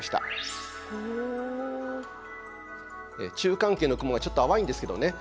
中間圏の雲はちょっと淡いんですけどね